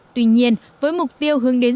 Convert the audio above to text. tuy nhiên với mục tiêu hướng đến